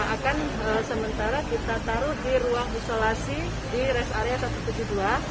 akan sementara kita taruh di ruang isolasi di rest area satu ratus tujuh puluh dua